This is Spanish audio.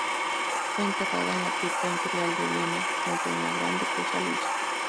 Fue enterrada en la Cripta Imperial de Viena, junto a la Gran Duquesa Luisa.